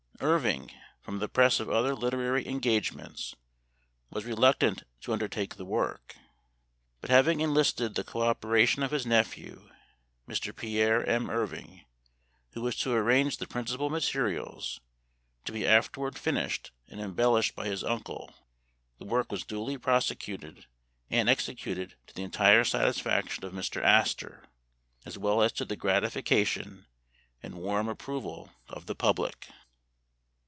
Irving, from the press of other literary engagements, was reluctant to undertake the work ; but having enlisted the co operation of his nephew, Mr. Pierre M. Irving, who was to arrange the principal materials, to be afterward finished and embellished by his uncle, the work was duly prosecuted and executed to the entire satisfaction of Mr. Astor, as well as to the gratification and warm approval of the public.